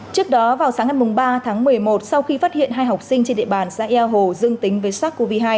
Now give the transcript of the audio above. trước đó vào sáng ngày ba tháng một mươi một sau khi phát hiện hai học sinh trên địa bàn xã eo hồ dương tính với sars cov hai